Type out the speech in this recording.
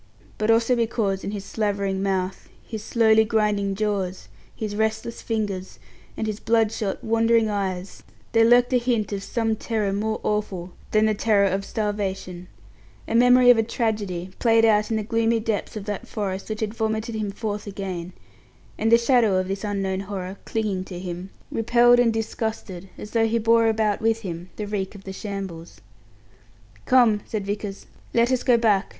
But also because, in his slavering mouth, his slowly grinding jaws, his restless fingers, and his bloodshot, wandering eyes, there lurked a hint of some terror more awful than the terror of starvation a memory of a tragedy played out in the gloomy depths of that forest which had vomited him forth again; and the shadow of this unknown horror, clinging to him, repelled and disgusted, as though he bore about with him the reek of the shambles. "Come," said Vickers, "Let us go back.